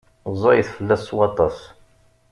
Ẓẓayet fell-as s waṭas.